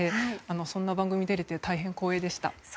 そんな番組に出られて大変光栄でした。